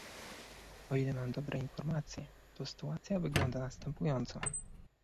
O ile mam dobre informacje, to sytuacja wygląda następująco